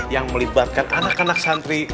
yang melibatkan anak anak santri